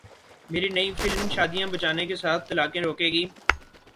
میری نئی فلم شادیاں بچانے کے ساتھ طلاقیں روکے گی